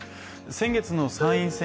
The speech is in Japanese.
先月の参院選